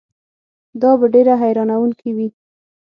دا به ډېره حیرانوونکې وي.